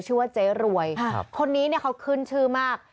ชื่อว่าเจ๊รวยคนนี้เนี่ยเขาขึ้นชื่อมาก